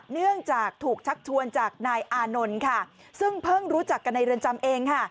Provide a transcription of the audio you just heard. เนื่องจากถูกชักชวนจากนายอานนท์ค่ะซึ่งเพิ่งรู้จักกันในเรือนจำเองค่ะ